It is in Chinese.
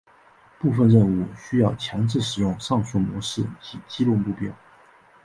部分任务需要强制使用上述模式以击落目标。